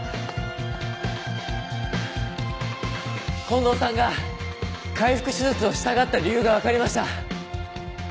近藤さんが開腹手術をしたがった理由が分かりました。